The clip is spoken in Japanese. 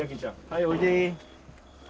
はいおいで。